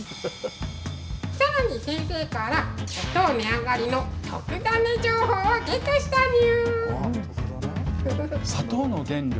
さらに先生から砂糖値上がりの得ダネ情報をゲットしたにゅ。